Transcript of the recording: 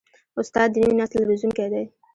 استاد د نوي نسل روزونکی دی.